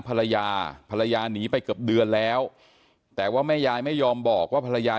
ภรรยาภรรยาหนีไปเกือบเดือนแล้วแต่ว่าแม่ยายไม่ยอมบอกว่าภรรยา